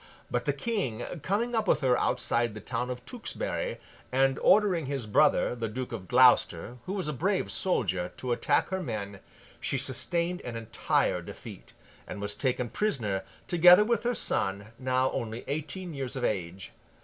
But, the King, coming up with her outside the town of Tewkesbury, and ordering his brother, the Duke of Gloucester, who was a brave soldier, to attack her men, she sustained an entire defeat, and was taken prisoner, together with her son, now only eighteen years of age.